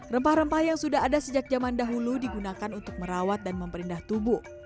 rempah rempah yang sudah ada sejak zaman dahulu digunakan untuk merawat dan memperindah tubuh